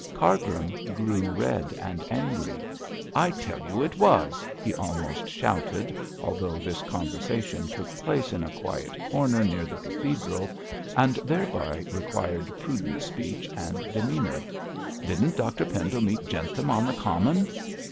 Cargrim grew red and angry. 'I tell you it was!' he almost shouted, although this conversation took place in a quiet corner near the cathedral, and thereby required prudent speech and demeanour. 'Didn't Dr Pendle meet Jentham on the common?'